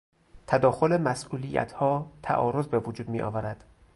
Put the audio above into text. تداخل مسئولیتها، تعارض به وجود میآورد.